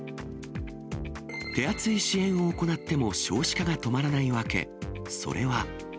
手厚い支援を行っても少子化が止まらない訳、それは。